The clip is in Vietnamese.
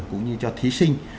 cũng như cho thí sinh